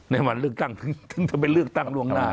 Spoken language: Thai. ในวันเลือกตั้งถึงจะไปเลือกตั้งล่วงหน้า